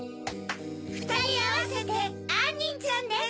ふたりあわせてあんにんちゃんです！